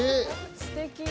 すてき。